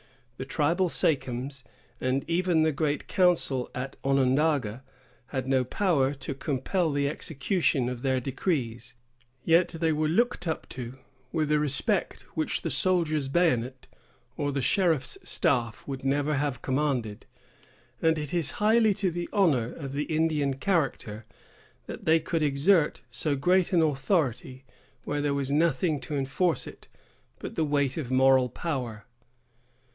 The tribal sachems, and even the great council at Onondaga, had no power to compel the execution of their decrees; yet they were looked up to with a respect which the soldier's bayonet or the sheriff's staff would never have commanded; and it is highly to the honor of the Indian character that they could exert so great an authority where there was nothing to enforce it but the weight of moral power.